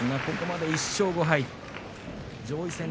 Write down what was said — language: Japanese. ここまで１勝５敗。